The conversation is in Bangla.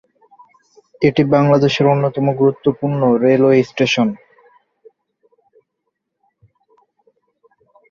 এটি বাংলাদেশের অন্যতম গুরুত্বপূর্ণ রেলওয়ে স্টেশন।